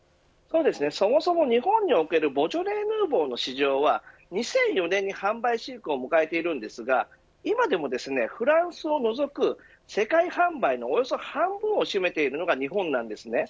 そもそも日本におけるボジョレ・ヌーボーの市場は２００４年に販売ピークを迎えているんですが今でも、フランスを除く世界販売のおよそ半分を占めているのが日本なんです。